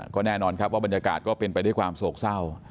ก็แน่นอนครับว่าบรรยากาศก็เป็นไปด้วยความโศกเศร้า